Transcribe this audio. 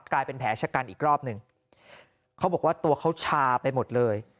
แผลชะกันอีกรอบหนึ่งเขาบอกว่าตัวเขาชาไปหมดเลย